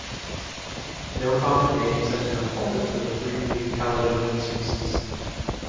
No common names have been recorded for the three New Caledonian species.